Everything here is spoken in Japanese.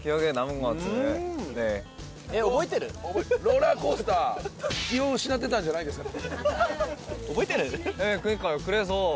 ローラーコースター気を失ってたんじゃないですか？